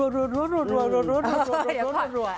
รัว